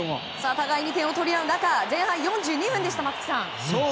互いに点を取り合う中前半４２分でした、松木さん。